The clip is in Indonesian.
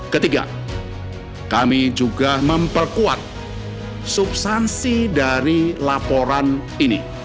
ketiga kami juga memperkuat substansi dari laporan ini